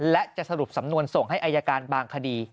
และจะสรุปสำนวนส่งให้อายการบางคดี